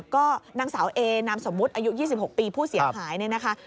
ก็นางสาวเอนามสมมุติอายุ๒๖ปีผู้เสียหายเนี่ยนะคะ